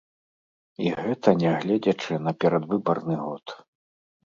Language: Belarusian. І гэта нягледзячы на перадвыбарны год.